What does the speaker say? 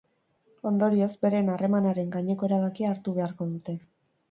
Ondorioz, beren harremanaren gaineko erabakia hartu beharko dute.